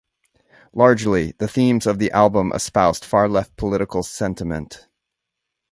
Largely, the themes of the album espoused far-left political sentiment.